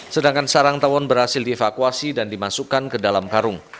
sedangkan sarang tawon berhasil dievakuasi dan dimasukkan ke dalam karung